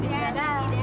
iya yaudah deh